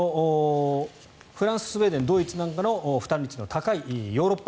フランス、スウェーデンドイツなんかの負担率の高いヨーロッパ。